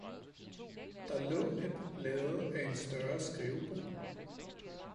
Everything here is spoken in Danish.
Der lå et par blade af en større skrivebog